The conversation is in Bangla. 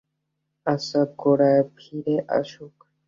আচ্ছা, গোরা ফিরে আসুক।